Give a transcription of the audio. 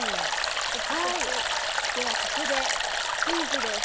では、ここでクイズです。